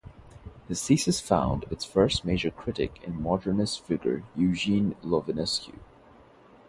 His thesis found its first major critic in modernist figure Eugen Lovinescu.